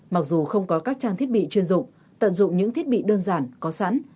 mặc dù không có các trang thiết bị chuyên dụng tận dụng những thiết bị đơn giản có sẵn